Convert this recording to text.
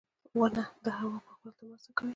• ونه د هوا پاکوالي ته مرسته کوي.